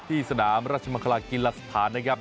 ที่สนามราชมครากิลลักษฐานนะครับ